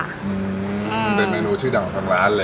เป็นเมนูชื่อดังทั้งร้านเลย